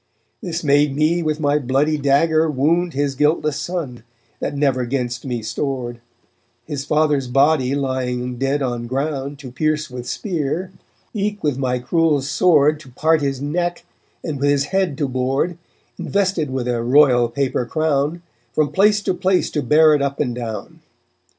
This made me with my bloody dagger wound His guiltless son, that never 'gainst me stored; His father's body lying dead on ground To pierce with spear, eke with my cruel sword To part his neck, and with his head to board, Invested with a royal paper crown, From place to place to bear it up and down.